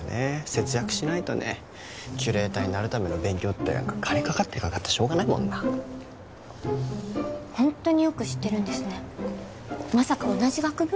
節約しないとねキュレーターになるための勉強って金かかってかかってしょうがないもんなホントによく知ってるんですねまさか同じ学部？